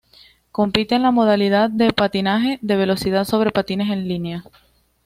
Compite en la modalidad de Patinaje de velocidad sobre patines en línea.